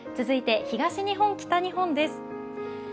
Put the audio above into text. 続いて東日本、北日本です。